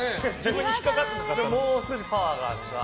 もう少しパワーが。